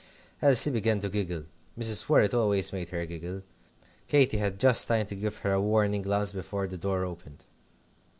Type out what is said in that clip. Elsie began to giggle. Mrs. Worrett always made her giggle. Katy had just time to give her a warning glance before the door opened.